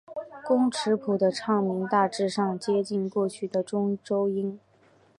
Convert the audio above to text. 工尺谱的唱名大致上接近过去的中州音。